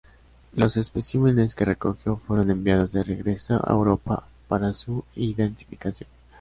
Los especímenes que recogió fueron enviados de regreso a Europa para su identificación.